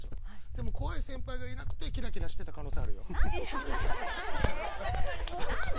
でも怖い先輩がいなくてキラキラしていた可能性があるよ。